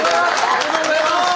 おめでとうございます。